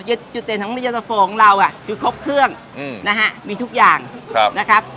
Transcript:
เออจุดเด่นของยันตราโฟของเราอ่ะคือครบเครื่องนะฮะมีทุกอย่างนะครับ